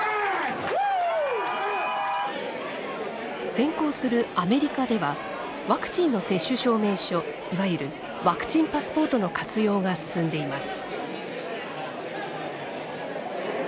先行するアメリカではワクチンの接種証明書いわゆるワクチンパスポートの活用が進んでいます。